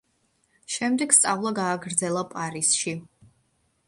შემდეგ სწავლა გააგრძელა პარიზში.